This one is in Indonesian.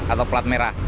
atau plat merah